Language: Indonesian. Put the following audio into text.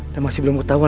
dan masih belum ketahuan